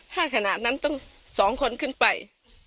ถ้าขนาดนั้นต้องสองคนขึ้นไป